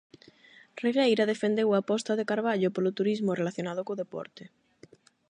Regueira defendeu a aposta de Carballo polo turismo relacionado co deporte.